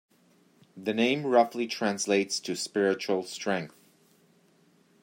The name roughly translates to "spiritual strength".